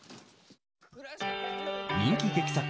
人気劇作